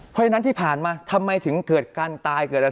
เพราะฉะนั้นที่ผ่านมาทำไมถึงเกิดการตาย